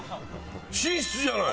寝室じゃないの！